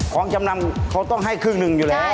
๒๕๐๐๐๓๘๐๐๐ของจำนำเขาต้องให้ครึ่งหนึ่งอยู่แล้ว